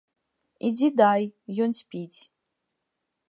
Ідзі дай, ён спіць.